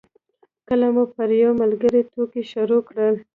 کله مو پر یو ملګري ټوکې شروع کړې.